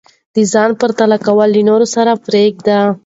د ځان پرتله کول له نورو سره پریږدئ.